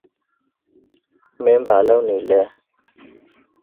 Maria Nikiforova organized the Black Guards' first unit.